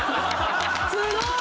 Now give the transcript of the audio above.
すごい！